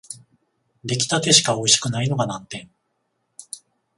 出来立てしかおいしくないのが難点